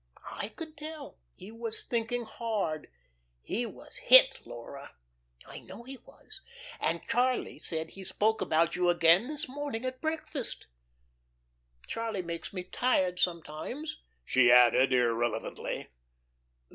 I could tell. He was thinking hard. He was hit, Laura. I know he was. And Charlie said he spoke about you again this morning at breakfast. Charlie makes me tired sometimes," she added irrelevantly.